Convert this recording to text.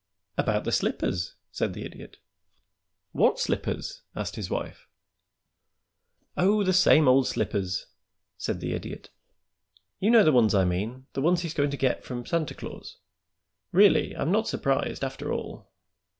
"About the slippers," said the Idiot. "What slippers?" asked his wife. "Oh, the same old slippers," said the Idiot. "You know the ones I mean the ones he's going to get from Santa Claus. Really, I'm not surprised, after all.